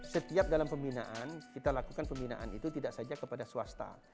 setiap dalam pembinaan kita lakukan pembinaan itu tidak saja kepada swasta